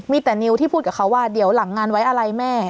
มีแต่นิวที่พูดกับเขาว่าเดี๋ยวหลังงานไว้อะไรแม่